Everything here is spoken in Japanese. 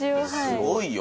すごいよ！